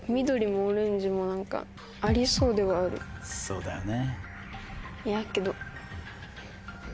そうだよね。